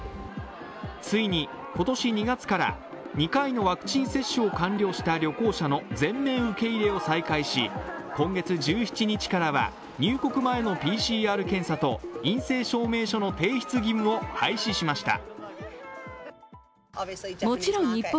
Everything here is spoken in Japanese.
ついに今年２月から２回のワクチン接種を完了した旅行者の全面受け入れを再開し今月１７日からは、入国前のＰＣＲ検査と陰性証明書の提出義務を廃止しました。